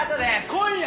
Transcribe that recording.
今夜！